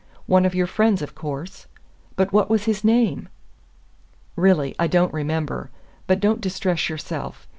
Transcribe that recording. "One of your friends, of course." "But what was his name?" "Really, I don't remember. But don't distress yourself.